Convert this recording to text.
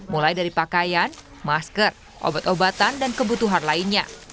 mulai dari pakaian masker obat obatan dan kebutuhan lainnya